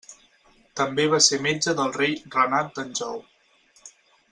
També va ser metge del rei Renat d'Anjou.